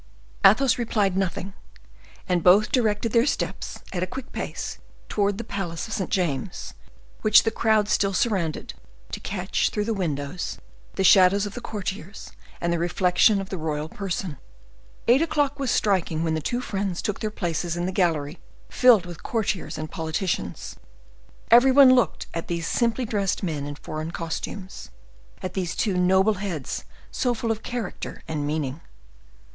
Athos replied nothing; and both directed their steps, at a quick pace, towards the palace of St. James's, which the crowd still surrounded, to catch, through the windows, the shadows of the courtiers, and the reflection of the royal person. Eight o'clock was striking when the two friends took their places in the gallery filled with courtiers and politicians. Every one looked at these simply dressed men in foreign costumes, at these two noble heads so full of character and meaning.